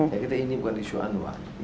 saya kira ini bukan isu anwar